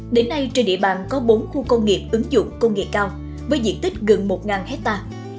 đến nay trên địa bàn có bốn khu công nghiệp ứng dụng công nghệ cao với diện tích gần một hectare